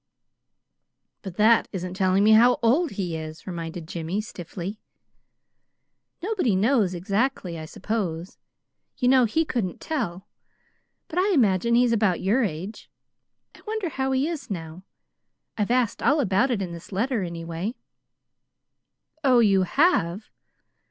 "But that isn't telling me how old he is," reminded Jimmy, stiffly. "Nobody knows, exactly, I suppose. You know he couldn't tell; but I imagine he's about your age. I wonder how he is now. I've asked all about it in this letter, anyway." "Oh, you have!"